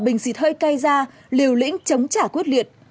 bình xịt hơi cay ra liều lĩnh chống trả quyết liệt